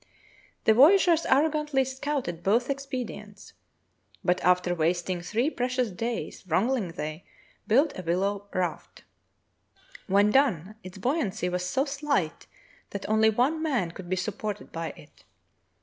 The voyageurs arrogantly scouted both expedients, but after wasting three precious days wrangling they built a willow raft. When done its buoyancy was so slight that only one man could be supported by it.